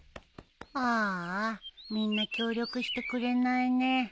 ああみんな協力してくれないね。